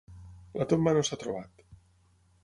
La tomba no s'ha trobat.